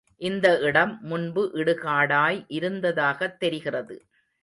இந்த இடம் முன்பு இடுகாடாய் இருந்ததாகத் தெரிகிறது.